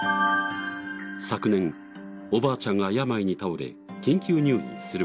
昨年おばあちゃんが病に倒れ緊急入院する事に。